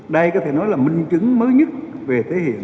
đây có thể nói là minh chứng mới nhất về thể hiện